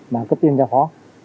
mà cấp tiền cho phó